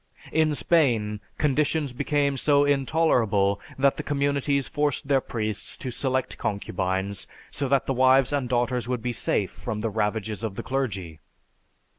In Spain, conditions became so intolerable that the communities forced their priests to select concubines so that the wives and daughters would be safe from the ravages of the clergy.